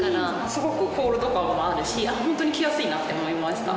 すごくホールド感もあるしホントに着やすいなって思いました。